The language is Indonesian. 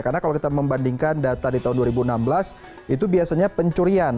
karena kalau kita membandingkan data di tahun dua ribu enam belas itu biasanya pencurian